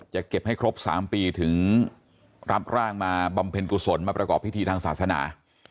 จะเก็บให้ครบ๓ปีถึงรับร่างมาบำเพ็ญกุศลมาประกอบพิธีทางศาสนา